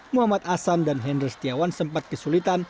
muhammad ahsan dan hendra setiawan sempat kesulitan